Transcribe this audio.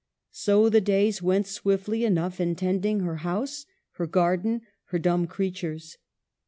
So the days went swiftly enough in tending her house, her garden, her dumb creatures.